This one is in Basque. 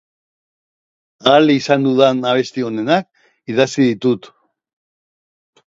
Ahal izan dudan abesti onenak idatzi ditut.